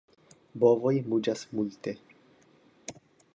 Bovoj muĝas multe.